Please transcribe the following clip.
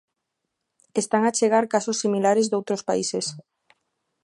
Están a chegar casos similares doutros países.